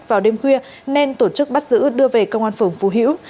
vào đêm khuya nên tổ chức bắt giữ đưa về công an phường phú hữu